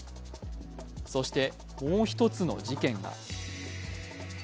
そしてもう一つの事件が。